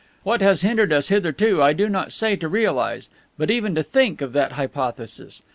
What has hindered us hitherto, I do not say to realize, but even to think, of that hypothesis?